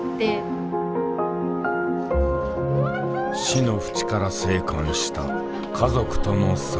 死のふちから生還した家族との再会。